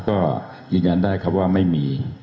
ก็ยืนยันได้ครับว่าไม่มี